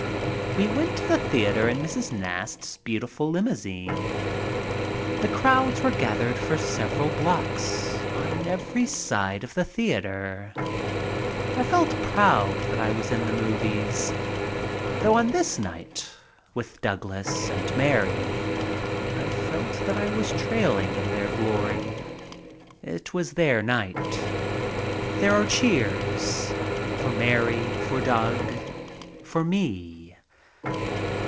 We went to the theater in Mrs. Nast's beautiful limou sine. The crowds were gathered for several blocks on every side of the theater. I felt proud that I was in the movies. Though on this night, with Douglas and Mary, I felt that I was trailing in their glory. It was their night. There are cheers — for Mary, for Doug, for me.